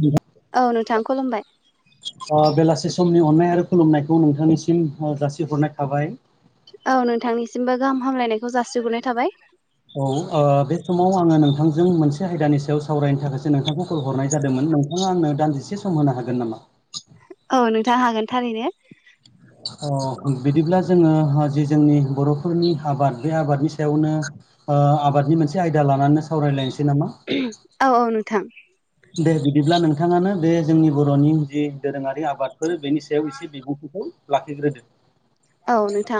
दे। औ नोंथां खुलुमबाय बेलासि समनि अननाय आरो खुलुमनायखौ नोंथांनिसिम जासिहरनाय थाबाय औ नोंथांनिसिमबो गाहाम हामलायनायखौ जासिहरनाय थाबाय औ बे समाव आङो नोंथांजों मोनसे आयदानि सायाव सावरायनो थाखायसो नोंथांखौ कल हरनाय जादोंमोन नोंथाङा आंनो दानजसे सम होनो हागोन नामा औ नोंथांङा हागोन थारैनो अ बिदिब्ला जोङो जि जोंनि बर'फोरनि आबाद बे आबादनि सायावनो आबादनि मोनसे आयदा लानानै सावरायलायनोसै नामा औ औ नोंथां। दे बिदिब्ला नोंथाङानो बे जोंनि बर'नि जि दोरोङारि आबादफोर बेनि सायाव एसे बिबुंथिखौ लाखिग्रोदो औ नोंथां।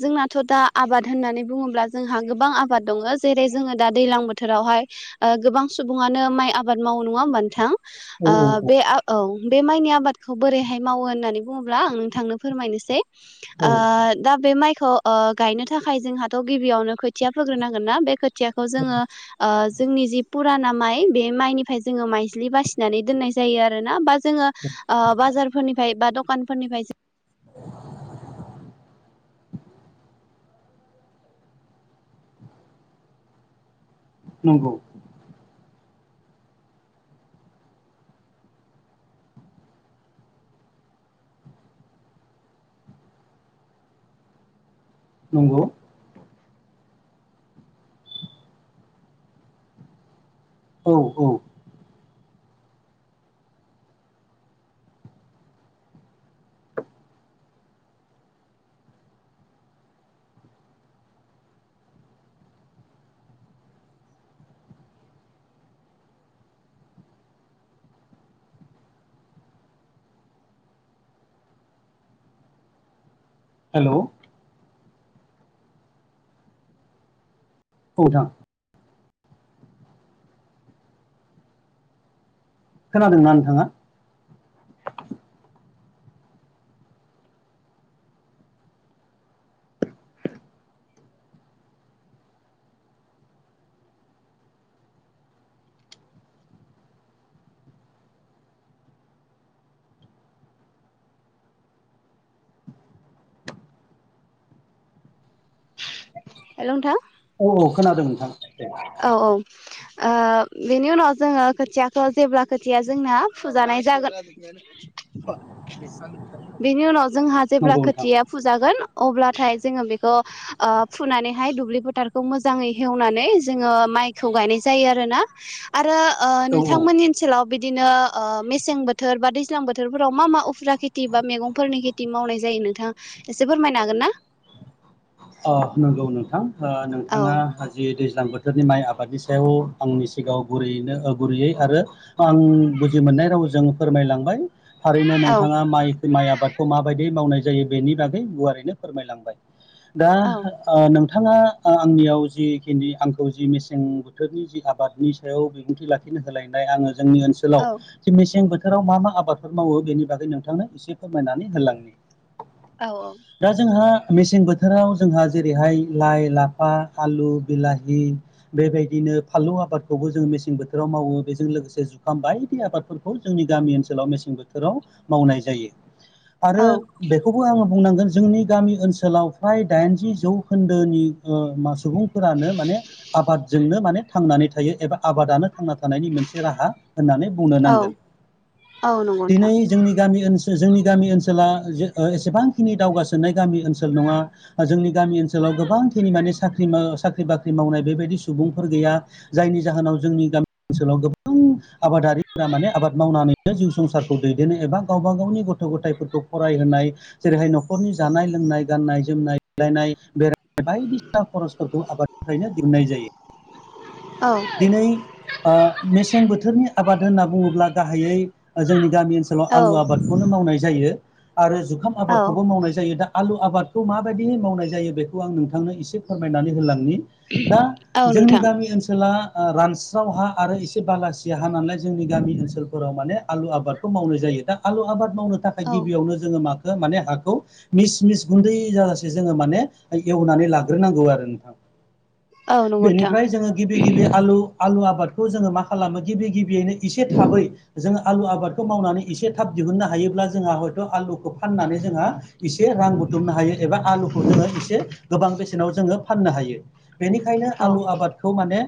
जोंनाथ' दा आबाद होननानै बुङोब्ला जोंहा गोबां आबाद दङ जेरै जोङो दा दैलां बोथोर बोथोरावहाय गोबां सुबुङानो माइ आबाद मावो नङा होनबथां औ औ बे औ बे माइनि आबादखौ बोरैहाय मावो होननानै बुङोब्ला आं नोंथांनो फोरमायनोसै। औ ओद। दा बे माइखौ ओ गायनो थाखाय जोंहाथ' गिबियावनो खोथिया फोग्रोनांगोन ना बे खो खोथियाखौ जोङो ओ जोंनि जि फुराना माइ बे माइनिफ्राय जोङो माइज्लि बासिनानै दोननाय जायो आरोना बा जोङो ओ बाजारफोरनिफ्राय बा दखानफोरनिफ्राय नंगौ। नंगौ। औ - औ। हेलौ। औ नोंथां। खोनादोंना नोंथाङा? हेल' नोंथां। औ खोनादों नोंथां। दे औ औ ओ बेनि उनाव जोङो खोथियाखो जेब्ला खोथिया जोंना फुजानाय जागोन बेनि उनाव जोंहा जेब्ला नंगौ नोंथां खोथिया फुजागोन अब्लाथाय जोङो बेखो अ फुनानैहाय दुब्लि फोथारखौ मोजाङै हेवनानै जोङो माइखौ गायनाय जायो आरोना। आरो ओ औ औ नोंथांमोननि ओनसोलाव बिदिनो ओ मेसें बोथोर बा दैज्लां बोथोरफोराव मा - मा उफुरा खेथि बा मैगंफोरनि खेथ ति मावनाय जायो नोंथाङा एसे फोरमायनो हागोन ना? अ नंगौ नोंथां ओ औ नोंथाङा जि दैज्लां बोथ थोरनि माइ आबादनि सायाव आंनि सिगाङाव गुरैयैनो ओ गुरैयै आरो आं बुजि मोननाय रावजों फोरमायलांबाय। थारैनो औ नोंथाङा माइ - माइ आबादखौ माबायदि मावनाय जायो बेनि बागै गुवारैनो फोरमायलांबाय। दा औ आ नोंथाङा ओ आंनियाव जिखिनि आंखौ जि मेसें बोथोरनि जि आबाद नि सायाव बिबुंथि लाखिनो होलायनाय आङो जोंनि ओनसोल औ सोलाव मेसें बोथोराव मा-मा आबादफोर मावो बेनि बागै नोंथांनो एसे फोरमायनानै होलांनि औ दा जोंहा मेसें बोथ बोथोराव जोंहा जेरैहाय लाइ, लाफा, आलु, बिलाहि बेबायदिनो फानलु आबादखौबो जों मेसें बोथोराव मावो बेजों लोगोसे जुखाम बायदि आबादफोर जोंनि गामि ओनसोलाव मेसें बोथोराव मावनाय जायो। औ आरो बेखौबो आङो बुंनांगोन जोंनि गामि ओनसोलाव फ्राय दाइनजि जौखोन्दोनि ओ मा सुबुंफोरानो माने आबादजोंनो माने थांनानै थायो एबा आबादानो थांना थानायनि मोनसे राहा होननानै बुंनो औ नांगोन। औ नंगौ नोंथां दिनै जोंनि गामि ओनसो जोंनि गामि ओनसोला जे ओ एसेबांखिनि दावगासोनाय गामि ओनसोल नङा। जोंनि गामि ओनसोलाव गोबांखिनि माने साख्रि मो साख्रि बाख्रि मावनाय बेबायदि सुबुंफोर गैया। जायनि जाहोनाव जोंनि गामि ओनसोलाव गोबां आबादारिफोरा माने आबाद मावनानै [unintelligible] जिउ संसारखौ दै [unintelligible] एबा गावबा गावनि गथ' गथायफोरखौ फरायहोनाय जेरैहाय न'खरनि जानाय लोंनाय गाननाय जोमनाय देलायनाय बेरायनाय बायदिसिना खरसफोरखौ आबादनिफ्रायनो दिहुननाय जायो। औ दिनै ओ मेसें बोथोरनि आबाद होनना बुङोब्ला गाहायै ओ जोंनि गामि ओनसोलाव औ आलु आबादखौनो मावनाय जायो। आरो जुखाम औ आबादखौबो मावनाय जायो दा आलु आबादखौ माबायदि मावनाय जायो बेखौ आं नोंथांनो इस फोरमायनानै होलांनि दा औ जोंनि नोंथां गामि ओनसोला ओ रानस्राव हा आरो इसे बालासिया हा नालाय जोंनि गामि ओनसोलफोराव माने आलु आबाद खौ मावनाय जायो। दा आलु आबाद मावनो थाखाय औ गिबियावनो जोङो मोखो माने हाखौ मिस - मिस गुन्दै जाजासे जोङो माने एवनानै लाग्रोनांगौ आरो नोंथां। औ नंगौ नोंथां बेनिफ्राय जोङो गिबि गिबि आलु आलु आबादखौ जोङो मा खालामो गिबि गिबियैनो एसे थाबै जोंङो आलु आबादखौ मावनानै एसे थाब दिहुननो हायोब्ला जोंहा हयथ' आलु फनानै जों एसे रां बुथुमनो हायो एबा आलुखौ जो एसे गोबां बेसे नाव जोङो फाननो हायो बेनिखायनो औ आलु आबाद खौ माने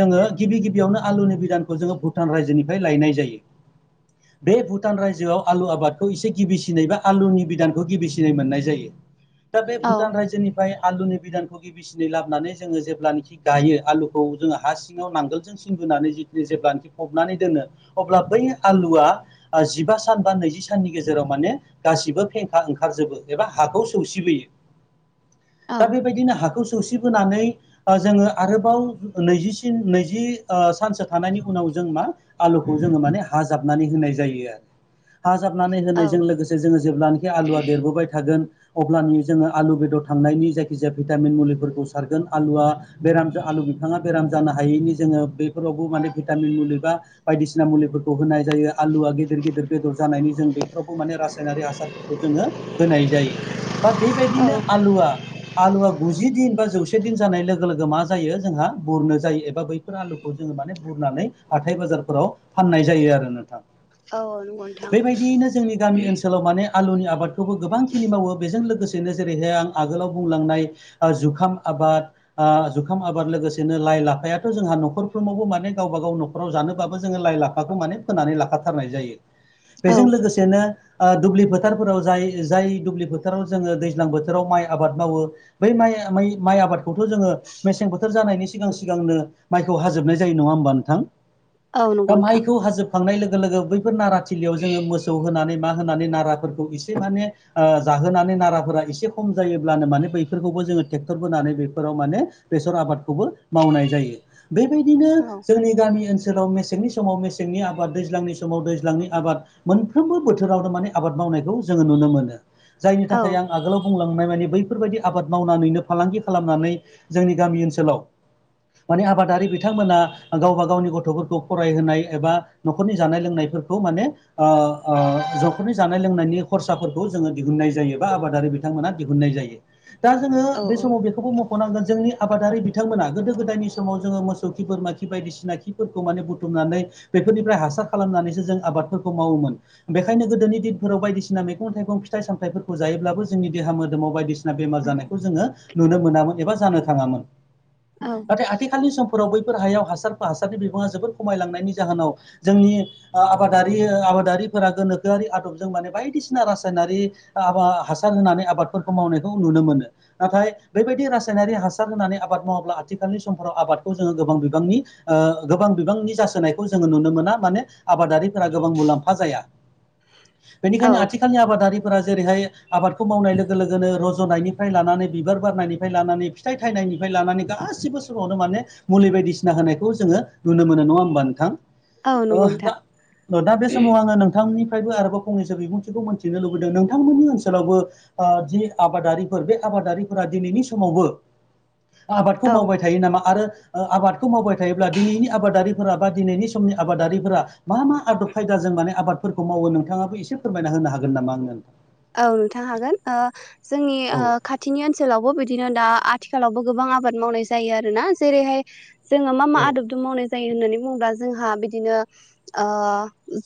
जोङो गिबि गिबियावनो आलुनि बिदानखौ जोङो भुटान रायजोनिफ्राय लायनाय जायो। [unintelligible] बे भुटान रायजोआव आलु आबादखौ एसे गिबिसिनै बा आलुनि बिदानखौ गिबिसिनै मोननाय जायो। दा बे औ भुटान रायजोनिफ्राय आलुनि बिधानखौ [unintelligible] लाबोनानै जों जेला गायो आलुखौ जों हा सिंआव नांगोलजों सिन बोनानै जिखिनि जेब्लानोखि फबनानै दोनो अब्ला बै आलुआ जिबा सान बा नैजि साननि गेजेराव माने गासिबो फें ओंखारजोबो एबा हाखौ सौसिबोयो औ दा बेबायदिनो हाखौ सौसिबोनानै जोङो आरोबाव नैजिसिन नैजि ओ सानसे थानायनि उनाव जों मा आलुखौ जोङो माने हाजाबनानै होनाय जायो आरो हा जाबनानै होनायजों औ लोगोसे जोङो जेब्लानाखि आलुवा देरबोबाय थागोन। अब्लानि जोङो आलु बेदर थांनायनि जायखिजाया भिटामिन मुलिफोरखौ सारगोन आलुआ बेराम आलु बिफाङा बेराम जानो हायैनि जोङो बेफोरावबो माने भिटामिन मुलि बा बायदिसिना मुलिफोरखौ होनाय जायो आलुआ गिदिर गिदिर बेदर जानायनि जों बेफोरावबो माने रासायनारि हासार जोङो होनाय जायो बा बेबायदिनो औ आलुआ आलुवा गुजि दिन बा जौसे दिन जानाय लोगो लोगो मा जायो जोंहा बुरनो जायो एबा बै आलुखौ जोङो माने बुरनानै हाथाय बाजारफोराव फाननाय जायो आरो नोंथां। औ औ नंगौ नोंथां। बेबायदियैनो जोंनि गामि ओनसोलाव माने आलुनि आबादखौबो गोबांखिनि मावो। जों लोगोसेनो जेरैहाय आं आगोलाव बुंलांनाय जुखाम आबाद ओ जुखाम आबाद लोगोसेनो लाइ लाफायाथ' जोंहा न'खरफ्रावबो माने गावबा गाव न फोराव जानोबाबो जोङो लाइ लाफाखौ माने फोनानै लाखाथारनाय जायो। औ बेजों लोगोसेनो दुब्लि फोथारफोराव जाय-जाय दुब्लि फोथार फोथाराव जोङो दैज्लां बोथोराव माइ आबाद मावो बै माइ माइ आबाद खौथ' जोङो मेसें बोथोर जानायनि सिगां सिगांनो माइखौ हाजोबनाय जायो नङा होमबा नोंथां? औ दा नंगौ नोंथां माइखौ हाजोबखांनाय लोगो लोगो बैफोर नारा थिलियाव जोङो मोसौ [unintelligible] होनानै मा होनानै नाराफोरखौ इसे माने ओ जाहोनानै नाराफोरा एसे खम जायोब्लानो माने बैफोरखौबो जोङो ट्रेक्टर बोनानै बेफोराव माने बेसर आबादखौबो मावनाय जायो बेबायदिनो औ जोंनि गामि ओनसोलाव मसें मेसेंनि समाव मेसेंनि आबाद दैज्लांनि समाव दैज्लांनि आबाद मोनफ्रोमबो बोथोरावनो माने आबाद मावनायखौ जोङो नुनो मोनो जायनि औ थाखाय आं आगोलाव बुंलांनाय माने बैफोरबायदि आबाद मावनानैनो फालांगि खालामनानै जोंनि गामि ओनसोलाव माने आबादारि बिथांमोना गावबा गावनि गथ'फोरखौ फरायहोनाय एबा न'खरनि जानाय लोंनायफोरखौ माने ओ ओ न'खरनि जानाय लोंनायनि खरसाफोरखौ जोङो दिहुन्नाय जायो बा आबादारि बिथांमोना दिहुननाय जायो दा जोङो औ बे समाव [unintelligible] बेखौ मख'नांगोन जोंनि आबादारि बिथांमोना गोदो गोदायनि समाव जोङो मोसौ खि बोरमा खि बायदिसिना खि। खिफोरखौ माने बुथुमनानै बेफोरनिफ्राय हासार खालामनानैसो जों आबादफोरखौ मावोमोन। बेखायनो गोदोनि दिनफोराव बायदिसिना मैगं थाइगं फिथाइ सामथायाइफोरखौ जायोब्लाबो जोंनि देहा मोदोमाव बायदिसिना बेमार जानायखौ जोङो नुनो मोनामोन एबा जानो थाङामोन। औ नाथाय आथिखालनि समफोराव बैफोर हायाव हासारफोर हासारनि बिबाङा जोबोद खमायलांनायनि जाहोनाव जोंनि ओ आबादारि आबादारिफोरा गोनोखोआरि आदबजों बानायबाय बायदिसिना रासायनारि आबा हासार होनानै आबादफोरखौ मावनायखौ नुनो मोनो। नाथाय बेबायदि रासायनारि हासार होनानै आबाद मावोब्ला आथिखालनि समफोराव आबादखौ जोङो गोबां बिबांनि ओ गोबां बिबांनि जासोनायखौ जोङो नुनो मोना माने आबादारिफोरा गोबां मुलाम्फा जाया। औ बेनिखायनो आथिखालनि आबादारिफोरा जेरैहाय आबादखौ मावनाय लोगो लोगोनो रज ज'नायनिफ्राय लानानै बिबार बारनायनिफ्राय लानानै फिथाइ थाइनायनिफ्राय लानानै गासिबो समावनो माने मुलि बायदिसिना होनायखौ जोङो नुनो मोनो नङा होमबा नोंथां औ ओ नंगौ दा नोंथां ओ दा बे समाव आङो नोंथांनिफ्रायबो आरोबाव फंनैसो बिबुंथिखौ मोनथिनो लु मोनदो नोंथांमोननि ओनसोलावबो ओ जि आबादारिफोर बे आबादारिफोरा दिनैनि समावबो आबादखौ औ मावबाय थायो नामा आरो ओ आबादखौ मावबाय थायोब्ला दिनैनि आबादारिफोरा बा दिनैनि समनि आबादारिफोरा मा मा आदब खायदाजों माने आबादफोरखौ मावो नोंथाङाबो एसे फोरमायना होनो हागोन नामा आंनो औ नोंथां हागोन ओ जोंनि औ ओ खाथिनि ओनस सोलावबो बिदिनो दा आथिखालावबो गोबां आबाद मावनाय जायो आरोना जेरैहाय जोङो मा मा आदब जों मावनाय जायो होननानै बुङोब्ला जोंहा बिदिनो ओ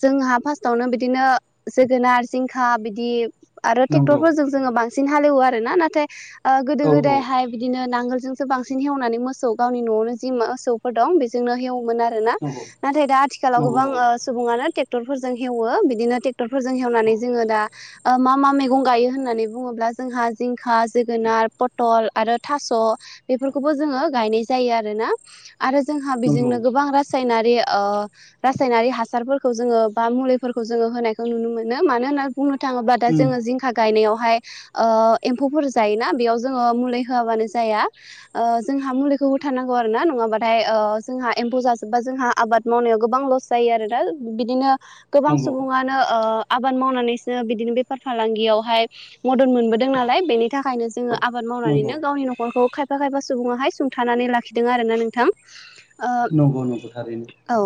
जोंहा फार्स्टावनो बिदिनो जोगोनार जिंखा बिदि आरो नंगौ ट्रेक्टरफोरजों जोङो बांसिन हालेवो आरो ना नाथाय ओ गोदो औ औ गोदायहाय बिदिनो नांगोलजोंसो बांसिन हेवनानै मोसौ गावनि न'आवनो जि मोसौफोर दं बेजोंनो हेवोमोन आ रोना नंगौ नाथाय दा आथिखालाव नंगौ गोबां औ ओ सुबुंआनो टेक्टर फोरजों हेवो बिदिनो टेक टरफोरजों औ हेवनानै जोङो दा ओ मा मा मेगं गायो होननानै बुङोब्ला जोंहा जिंखा जोगोनार पथल आरो थास' बेफोरखौबो जोङो गायनाय जायो आरो ना आरो जोंहा नंगौ बेजोंनो गोबां रास सायनारि ओ रासायनारि हासारफोरखौ जोङो बा मुलिफोरखौ जोङो होनायखौ नुनो मोनो मानो होनना बुंनो थाङोबा दा उम जोङो जिंखा गायनायावहाय ओ एम्फौफोर जायोना बेयाव जोङो मुलि होआबानो जाया ओ जोंहा मुलिखौ होथारनांगौ आरो ना नङाबाथाय ओ जोंहा एम्फौ जाजोबबा जोंहा आबाद मावनायाव गोबां लस जायो आरो दा बिदिनो गोबां नंगौ सुबुङानो ओ आबाद मावनानैस जोङो बिदिनो बेफार फालांगियावहाय मदद मोनबोदों नालाय बेनि थाखायनो जोङो आबाद नंगौ मावनानैनो गावनि न'खरखौ खायफा खायफा सुबुङाहाय सुंथानानै लाखिदों आरोना नोंथां ओ नंगौ नंगौ थारैनो औ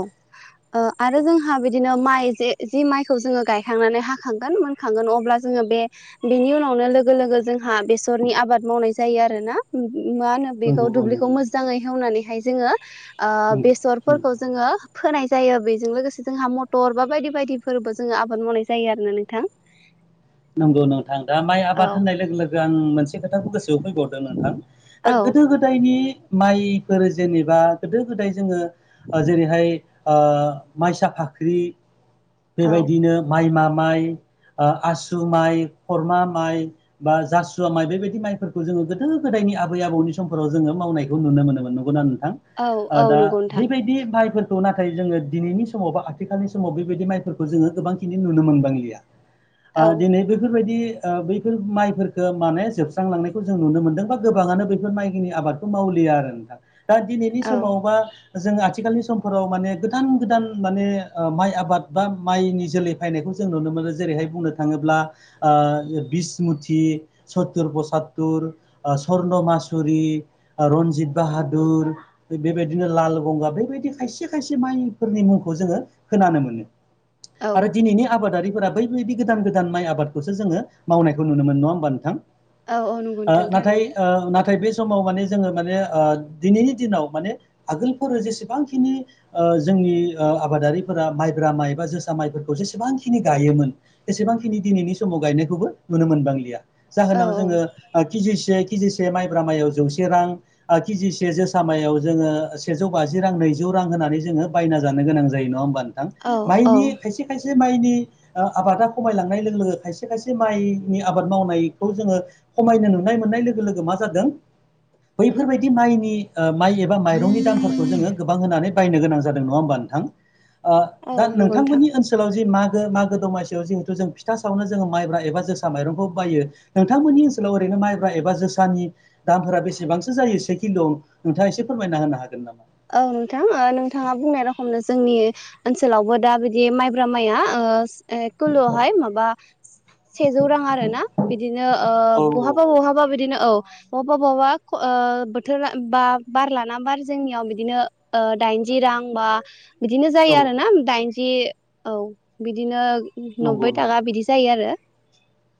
ओ आरो जोंहा बिदिनो माइ जे जि माइखौ जोङो गायखांनानै हा खांगोन मोनखांगोन अब्ला जोङो बे बेनि उनावनो लोगो लोगो जोंहा बेसरनि आबाद मावनाय जायो आरो ना [unintelligible] मा होनो नंगौ बेखौ औ दुब्लिखौ नंगौ मोजाङै हेवनानैहाय जोङो ओ नंगौ उम बेसरफोरखौ जोङो फोनाय जायो बेजों लोगोसे जोंहा मटर बा बायदि बायदिफोरबो जोङो आबाद मावनाय जायो आ होननानै थां नंगौ नोंथां दा माइ औ आबाद होननाय लोगो लोगो आं मोनसे खोथाखौ गोसोआव फैबावदों नोंथां ओ औ गोदो गोदायनि मायफोर जेनेबा गोदो गोदाय जोङो ओ जेरैहाय ओ माइसा फाख्रि औ बेबायदिनो माइमा माइ ओ आसु माइ खरमा माइ बा जासुवा माइ बेबायदि माइफोरखौ जोङो गोदो गोदायनि आबै आबौनि समफोराव जोङो मावनाय खौ नुनो मोनोमोन नंगौना नोंथां औ ओ औ दा नंगौ नोंथां बेबायदि माइफोर खौ नाथाय जोङो दिनैनि समाव बा आथिखालनि समाव बेबायदि माइफोरखौ जोङो गोबांखिनि नुनो मोनबांलिया ओ औ दिनै बेफोरबायदि ओ बैफोर माइफोरखौ माने जोबस्रांलांनायखौ जों नुनो मोनदों बा गोबाङानो बैफोर माइनि आबाद खौ मावलिया आरो नोंथां दा दिनैनि औ समावबा जोङो आथिखालनि समफोराव माने गोदान गोदान माने ओ माइ आबाद बा माइनि जोलै बायनायखौ जों नुनो मोनो जेरैहाय बुंनो थाङोब्ला ओ बिसमुथि सतुर पसात्तुर ओ सर्न मासुरि ओ रनजित बाहादुर बेबायदिनो लाल बंगा बेबायदि खायसे खायसे माइफोरनि मुंखौ जोङो खोनानो मोनो औ आरो दिनैनि आबादारिफोरा बैबायदि गोदान गोदान माइ आबादखौसो जोङो मावनायखौ नुनो मोन नङा होमबा नोंथां? औ औ नंगौ ओ नोंथां नाथाय थारैनो ओ नाथाय बे समाव माने जोङो माने ओ दिनैनि दिनाव माने आगोलफोर जेसेबांखिनि ओ जोंनि आबादारिफोरा ओ माइब्रा माइ बा जोसा माइफोरखौ जेसेबांखिनि गायोमोन एसेबांखिनि दिनैनि समाव गायनायखौबो नुनो मोनबांलिया औ जाहोनाव औ जोङो ओ केजिसे केजिसे माइब्रा माइयाव जौसे रां ओ केजिसे जो सामायाव जोङो सेजौ बाजि रां नैजौ रां होनानै जोङो बायना जानो गोनां जायो नङा होमबा नों थां? औ औ माइनि खायसे खायसे माइनि ओ आबादा खमायलांनाय लोगो लोगो खायसे खायसे माइनि आबाद मावनायखौ जोङो खमायनो नुनाय मोननाय लोगो लोगो मा जादों बैफोरबायदि माइनि ओ माइ बा माइरंनि दामफोरखौ जोङो गोबां होनानै बायनो गोनां जादों नङा होनबा नोंथां? ओ दा औ नंगौ नोंथां नोंथांमोननि ओनसोलाव जि मागो मागो दमासि आव जिहेथु जों फिथा सावनो जोङो माइब्रा बा जोसा माइरंखौ बायो नोंथांमोननि ओनसोलाव ओरैनो माइब्रा एबा जोसानि दामफोरा बेसेबांसो जायो एसे खिन्दआव नोंथाङा एसे फोरमायना होनो हागोन नामा? औ नोंथां, नोंथाङा बुंनाय रखमनो जोंनि ओनसोलावबो दा बिदि माइब्रा ओ माइआ किल'आवहाय माबा सेजौ रां आरोना। बिदिनो औ औ बहाबा बहाबा बिदिनो औ बहाबा बहाबा बोथोरा बा बार लाना बार जोंनियाव बिदिनो दाइनजि रां बा बिदिनो औ जायो आरो दाइनजि। बिदि औ बिदिनो नंगौ नब्बै थाखा नंगौ बिदि जायो आरो।